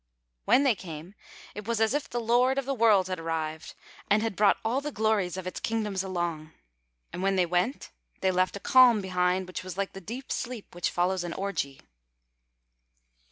When they came it was as if the lord of the world had arrived, and had brought all the glories of its kingdoms along; and when they went they left a calm behind which was like the deep sleep which follows an orgy.